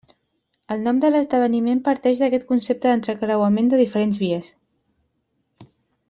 El nom de l'esdeveniment parteix d'aquest concepte d'encreuament de diferents vies.